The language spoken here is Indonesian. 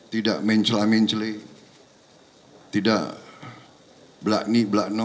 tidak mencela mencela tidak belakni belakno